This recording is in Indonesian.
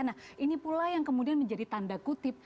nah ini pula yang kemudian menjadi tanda kutip